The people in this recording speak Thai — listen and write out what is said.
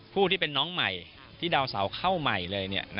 ผู้ที่เป็นน้องใหม่ที่ดาวเสาเข้าใหม่เลย